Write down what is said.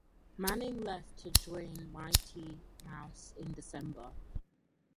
Manning left to join Mighty Mouse in December.